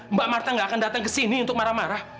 mbak marta nggak akan datang ke sini untuk marah marah